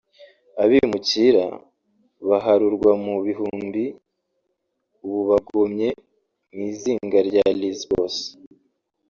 Abimukira baharurwa mu bihumbi ubu bagomye mw'izinga rya Lesbos